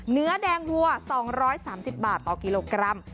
เนื้อแดงวัว๒๓๐บาทต่อกิโลกรัม